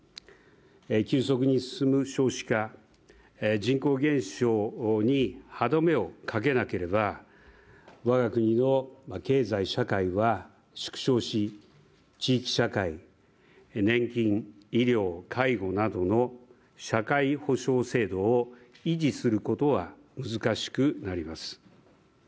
急速に進む少子化、人口減少に歯止めをかけなければ我が国の経済・社会は縮小し地域社会、年金、医療、介護などの社会保障制度を維持することは難しくなります。